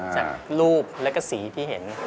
จากรูปแล้วก็สีที่เห็น